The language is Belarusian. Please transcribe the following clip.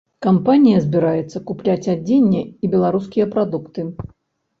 Кампанія збіраецца купляць адзенне і беларускія прадукты.